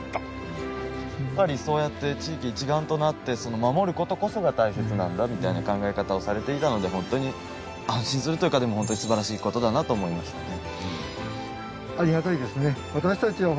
やっぱりそうやって地域一丸となって守る事こそが大切なんだみたいな考え方をされていたので本当に安心するというか本当に素晴らしい事だなと思いましたね。